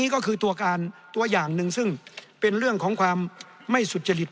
ก็คือตัวการตัวอย่างหนึ่งซึ่งเป็นเรื่องของความไม่สุจริต